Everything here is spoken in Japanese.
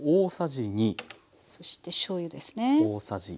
そしてしょうゆですね。